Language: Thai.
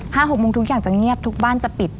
ถ้า๖โมงทุกอย่างจะเงียบทุกบ้านจะปิด